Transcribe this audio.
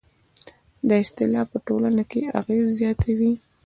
دا اصطلاح په ټولنه کې اغېز زیات و.